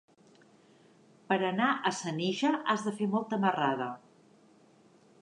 Per anar a Senija has de fer molta marrada.